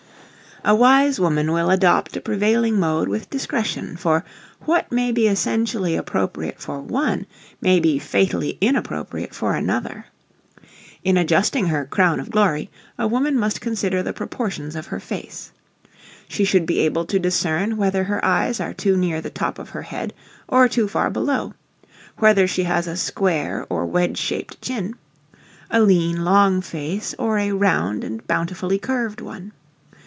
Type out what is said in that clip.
A wise woman will adopt a prevailing mode with discretion, for, what may be essentially appropriate for one, may be fatally inappropriate for another. In adjusting her "crown of glory" a woman must consider the proportions of her face. She should be able to discern whether her eyes are too near the top of her head or, too far below; whether she has a square or wedge shaped chin; a lean, long face, or a round and bountifully curved one.